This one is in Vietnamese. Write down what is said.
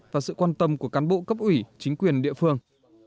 và sự quan tâm của cán bộ cấp ủy chính quyền địa phương